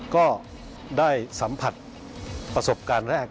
ก็ได้สัมผัสประสบการณ์แรก